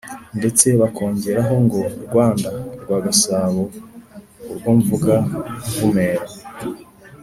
ndetse bakongeraho ngo "rwanda rwa gasabo, urwo mvuga mvumera